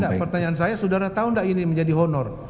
tidak tidak pertanyaan saya sudara tahu enggak ini menjadi honor